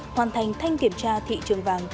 hoàn thành thanh kiểm tra thị trường vàng